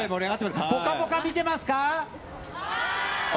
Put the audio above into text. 「ぽかぽか」見てますか？